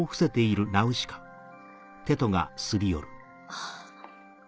あっ。